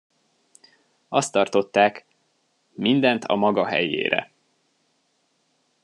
Azt tartották: Mindent a maga helyére!